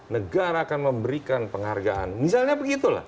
negara akan memberikan penghargaan misalnya begitulah